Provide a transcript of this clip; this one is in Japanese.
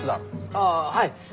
ああはい。